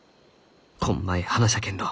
こんまい花じゃけんど